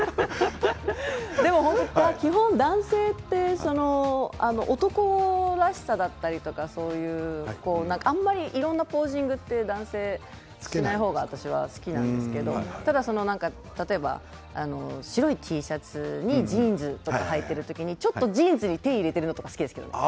基本、男性って男らしさだったりとかあまりいろんなポージングって男性はしない方が好きなんですけど例えば白いＴシャツにジーンズとかはいている時にちょっとジーンズに手を入れているのが好きですね。